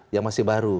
yang masih baru